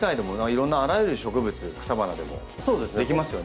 いろんなあらゆる植物草花でもできますよね。